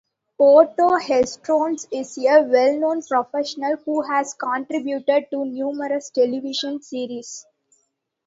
Otto Hegström is a well-known professional who has contributed to numerous television series.